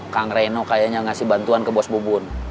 kang reno kayaknya ngasih bantuan ke bos bubun